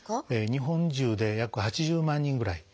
日本中で約８０万人ぐらい。